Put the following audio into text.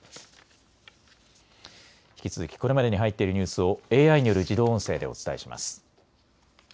引き続きこれまでに入っているニュースをＡＩによる自動音声でお伝えします。